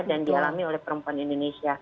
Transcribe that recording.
dan dialami oleh perempuan indonesia